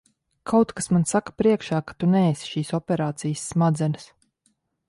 Kaut kas man saka priekšā, ka tu neesi šīs operācijas smadzenes.